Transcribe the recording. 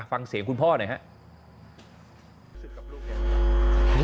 ฟังเสียงคุณพ่อหน่อยครับ